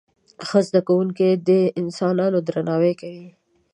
ښه زده کوونکي د انسانانو درناوی کوي.